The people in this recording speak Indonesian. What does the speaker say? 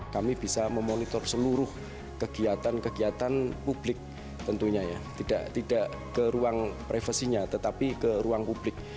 kami bisa memonitor seluruh kegiatan kegiatan publik tentunya ya tidak ke ruang privasinya tetapi ke ruang publik